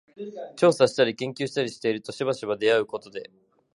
調査したり研究したりしているとしばしば出合うことで、